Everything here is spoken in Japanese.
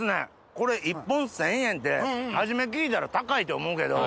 これ１本１０００円って初め聞いたら高いと思うけど。